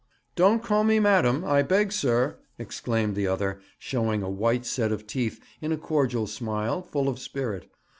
'Don't call me "madam," I beg, sir!' exclaimed the other, showing a white set of teeth in a cordial smile, full of spirit.